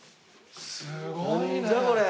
すごいね。